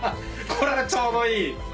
これはちょうどいいって。